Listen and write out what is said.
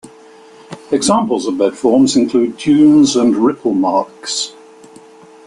Examples of bed forms include dunes and ripple marks.